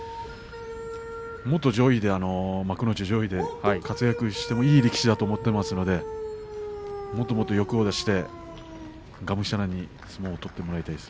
もっと幕内上位で活躍してもいい力士だと思っていますのでもっともっと欲を出してがむしゃらに相撲を取ってもらいたいです。